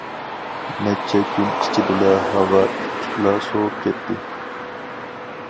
نەچچە كۈن ئىچىدىلا ھاۋا ئىتتىكلا سوۋۇپ كەتتى.